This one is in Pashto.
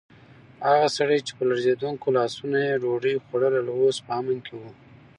هغه سړی چې په لړزېدونکو لاسونو یې ډوډۍ خوړله، اوس په امن کې و.